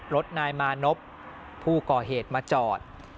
รถนายมานพผู้ก่อเหตุมาจอด